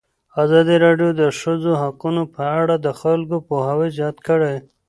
ازادي راډیو د د ښځو حقونه په اړه د خلکو پوهاوی زیات کړی.